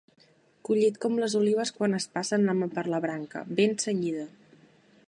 Collit com les olives quan es passa la mà per la branca, ben cenyida.